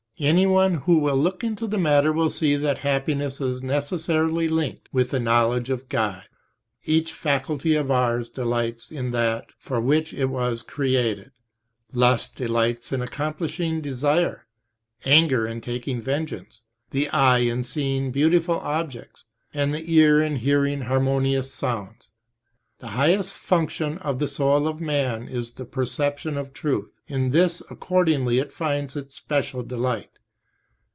Any one who will look into the matter will see that happiness is necessarily linked with the knowledge of God. Each faculty of ours delights in that for which it was created: lust delights in accomplishing desire, anger in taking vengeance, the eye in seeing beautiful objects, and the ear in hearing harmonious sounds. The highest function of the soul of man is the perception of truth; in this accordingly it finds its special delight.